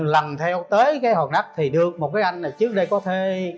lần theo tới cái hòn đất thì được một cái anh này trước đây có thê